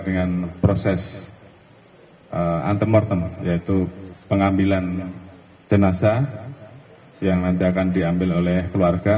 dengan proses antemortem yaitu pengambilan jenazah yang nanti akan diambil oleh keluarga